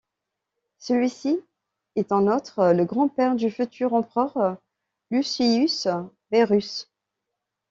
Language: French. Celui-ci est en outre le grand-père du futur empereur Lucius Verus.